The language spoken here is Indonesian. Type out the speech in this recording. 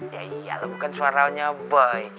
ya iya lo bukan suaranya boy